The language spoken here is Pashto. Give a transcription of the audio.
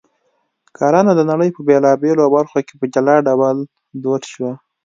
کرنه د نړۍ په بېلابېلو برخو کې په جلا ډول دود شوه